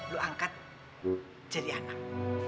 lu angkat jadi anak